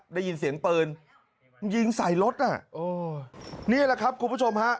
ได้ยินเสียงปืนยิงใส่รถน่ะโอ้นี่แหละครับคุณผู้ชมฮะ